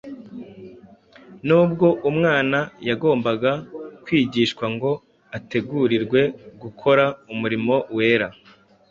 Nubwo umwana yagombaga kwigishwa ngo ategurirwe gukora umurimo wera,